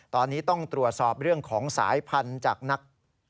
ตอนนี้ต้องตรวจสอบเรื่องของสายพันธุ์จากนัก